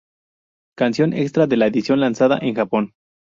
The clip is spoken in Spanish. Canción extra de la edición lanzada en Japón.